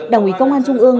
đảng ủy công an trung ương